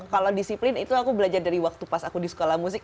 kalau disiplin itu aku belajar dari waktu pas aku di sekolah musik